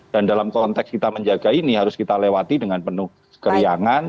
dan dalam konteks kita menjaga ini harus kita lewati dengan penuh keriangan